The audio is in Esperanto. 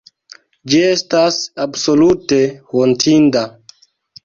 Ĝi estas absolute hontinda.